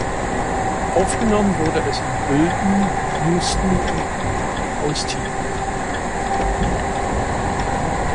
Aufgenommen wurde es in Bülten, Houston und Austin.